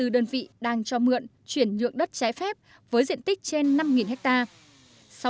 ba mươi bốn đơn vị đang cho mượn chuyển nhượng đất trái phép với diện tích trên năm hectare